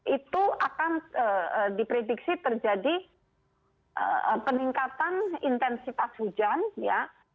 itu akan diprediksi terjadi peningkatan intensitas hujan ya